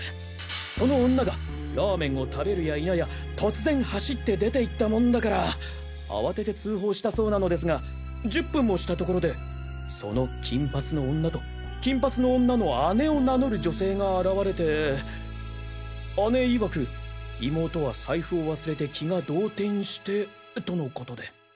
その女がラーメンを食べるやいなや突然走って出て行ったもんだから慌てて通報したそうなのですが１０分もしたところでその金髪の女と金髪の女の姉を名乗る女性が現れて姉いわく「妹は財布を忘れて気が動転して」との事で。